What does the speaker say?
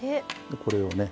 これをね